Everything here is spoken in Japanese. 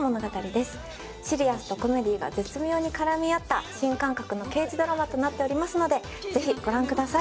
シリアスとコメディーが絶妙に絡み合った新感覚の刑事ドラマとなっておりますのでぜひご覧ください。